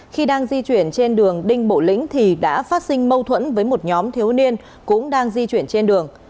khi đang di chuyển trên đường đinh bộ lĩnh thì đã phát sinh mâu thuẫn với một nhóm thiếu niên cũng đang di chuyển trên đường